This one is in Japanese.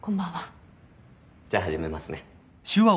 じゃあ始めますね。